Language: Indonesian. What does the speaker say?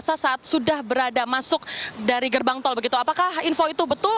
masa saat sudah berada masuk dari gerbang tol begitu apakah info itu betul